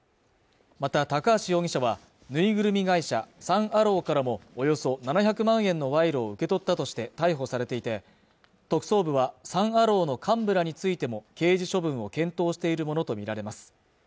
また高橋容疑者はぬいぐるみ会社サン・アローからもおよそ７００万円の賄賂を受け取ったとして逮捕されていて特捜部はサン・アローの幹部らについても刑事処分を検討しているものと見られます